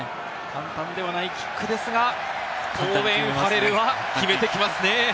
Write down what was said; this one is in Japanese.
簡単ではないキックですが、オーウェン・ファレルは決めてきますね！